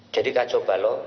jadi kacau balik